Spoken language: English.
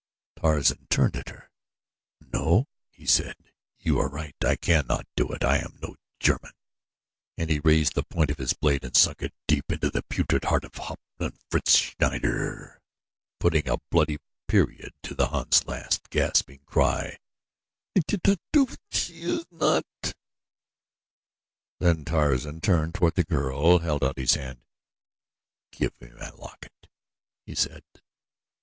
Tarzan turned at her. "No," he said, "you are right, I cannot do it I am no German," and he raised the point of his blade and sunk it deep into the putrid heart of Hauptmann Fritz Schneider, putting a bloody period to the Hun's last gasping cry: "I did not do it! She is not " Then Tarzan turned toward the girl and held out his hand. "Give me my locket," he said.